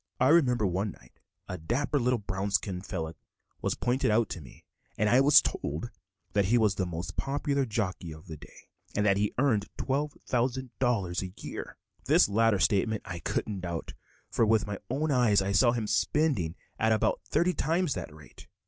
I remember one night a dapper little brown skin fellow was pointed out to me and I was told that he was the most popular jockey of the day, and that he earned $12,000 a year. This latter statement I couldn't doubt, for with my own eyes I saw him spending at about thirty times that rate.